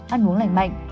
bảy ăn uống lành mạnh